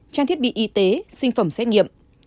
trang thiết bị y tế sinh phẩm xét nghiệm